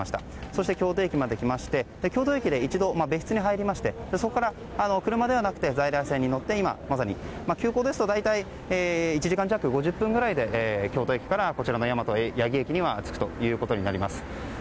そして京都駅まで来まして京都駅で、一度別室に入りましてそこから車ではなくて在来線に乗ってまさに急行ですと、大体１時間弱５０分ぐらいで、京都駅からこちらの大和八木駅には着くということになります。